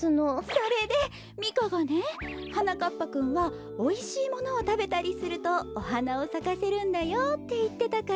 それでミカがね「はなかっぱくんはおいしいものをたべたりするとおはなをさかせるんだよ」っていってたから。